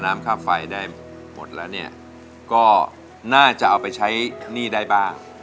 น้ำค่าไฟได้หมดแล้วเนี่ยก็น่าจะเอาไปใช้หนี้ได้บ้าง